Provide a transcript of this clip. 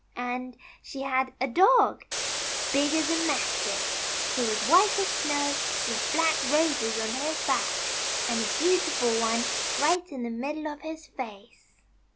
And she had a dog, big as a mastiff, who was white as snow, with black roses on his back, and a beautiful one right in the middle of his face."